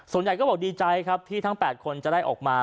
ส่วนใหญ่ก็บอกดีใจครับที่ทั้ง๘คนจะได้ออกมา